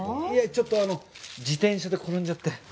いやちょっと自転車で転んじゃって。